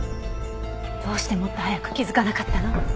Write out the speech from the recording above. どうしてもっと早く気づかなかったの？